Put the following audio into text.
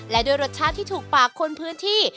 และด้วยรสชาติที่ถูกปากคนพื้นที่